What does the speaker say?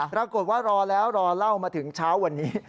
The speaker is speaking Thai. รอแล้วรอเล่ามาถึงเช้าวันนี้